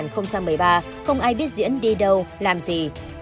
không ai biết diễn đi đâu làm gì